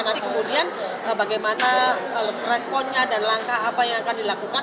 nanti kemudian bagaimana responnya dan langkah apa yang akan dilakukan